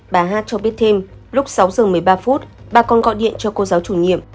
bà hát cho biết thêm lúc sáu giờ một mươi ba phút bà con gọi điện cho cô giáo chủ nhiệm